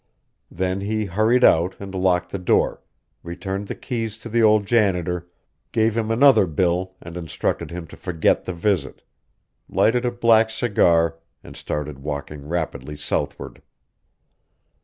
Then he hurried out and locked the door, returned the keys to the old janitor, gave him another bill and instructed him to forget the visit, lighted a black cigar, and started walking rapidly southward.